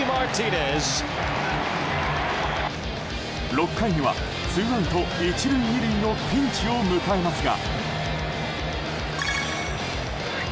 ６回にはツーアウト１塁２塁のピンチを迎えますが。